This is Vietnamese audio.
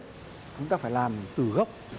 chúng ta phải làm từ gốc